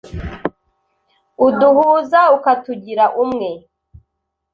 uduhuza, ukatugira umwe,